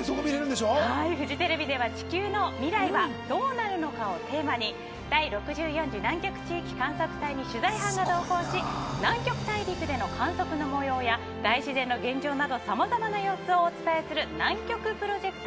フジテレビでは地球のミライはどうなるのかをテーマに第６４次南極地域観測隊に取材班が同行し南極大陸での観測の模様や大自然の現状などさまざまな様子をお伝えする南極プロジェクトを